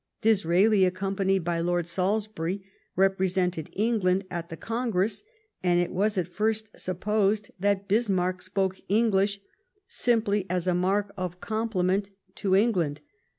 Disraeli, accompanied by Lord Salisbury, represented Eng land at the Congress, and it was at first supposed that Bismarck spoke English simply as a mark of compliment to England.